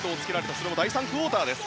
それも第３クオーターです。